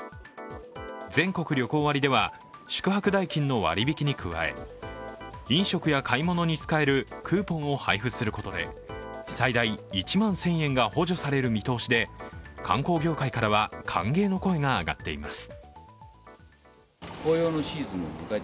全国旅行割では宿泊代金の割引に加え、飲食や買い物に使えるクーポンを配布することで最大１万１０００円が補助される見通しで観光業界からは歓迎の声が上がっています。